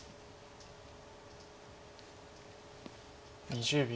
２０秒。